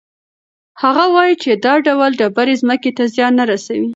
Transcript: هغه وایي چې دا ډول ډبرې ځمکې ته زیان نه رسوي.